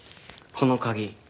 この鍵